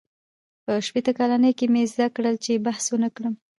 • په شپېته کلنۍ کې مې زده کړل، چې بحث ونهکړم.